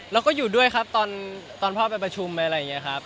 แล้วก็อยู่ด้วยครับตอนพ่อไปประชุมอะไรอย่างนี้ครับ